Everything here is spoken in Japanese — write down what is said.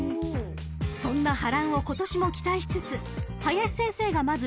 ［そんな波乱を今年も期待しつつ林先生がまず注目したポイントが］